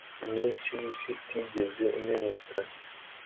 Iminsi yisi itigeze imenyekana